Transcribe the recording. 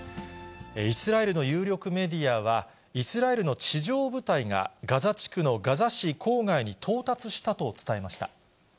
イスラエルの有力メディアは、イスラエルの地上部隊がガザ地区のガザ市郊外に到達したと伝えました。